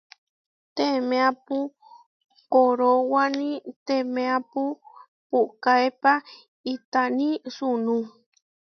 Temeápu corowáni temeápu pukaépa itáni sunú.